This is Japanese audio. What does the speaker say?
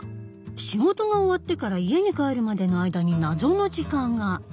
仕事が終わってから家に帰るまでの間に謎の時間が！